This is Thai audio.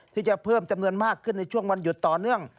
ที่จะเพิ่มจำนวนมากขึ้นในช่วงวันหยุดต่อเนื่อง